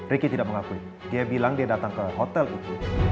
riki tidak mengakui dia bilang dia datang ke hotel itu